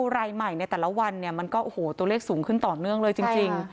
รายใหม่ในแต่ละวันเนี่ยมันก็โอ้โหตัวเลขสูงขึ้นต่อเนื่องเลยจริง